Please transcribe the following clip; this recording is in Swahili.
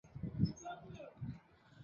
baina ya wabunge na rais hamid karzai